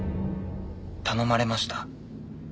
頼まれました。